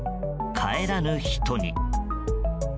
帰らぬ人に。